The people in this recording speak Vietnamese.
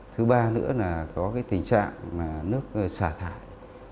thứ ba nữa là có tình trạng nước xả thải